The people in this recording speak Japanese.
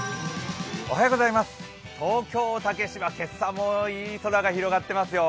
東京・竹芝、今朝もいい空が広がっていますよ。